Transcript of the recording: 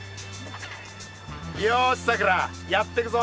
よしさくらやってくぞ。